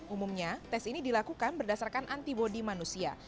umumnya tes ini dilakukan berdasarkan antibody manusia